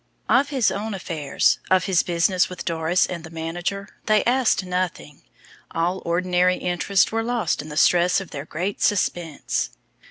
Of his own affairs of his business with Doris and the manager, they asked nothing. All ordinary interests were lost in the stress of their great suspense.